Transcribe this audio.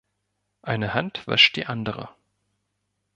Eine Hand wäscht die andere